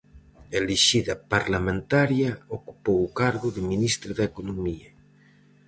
Elixida parlamentaria, ocupou o cargo de ministra de Economía.